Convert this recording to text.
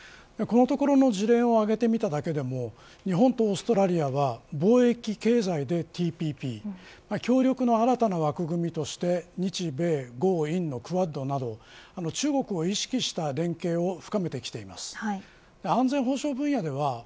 このところの事例を挙げてみただけでも日本とオーストラリアは貿易、経済でＴＰＰ協力の新たな枠組みとして日米豪印のクアッドなど中国を意識した連携を